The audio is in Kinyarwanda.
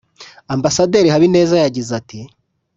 Amb Habineza yagize ati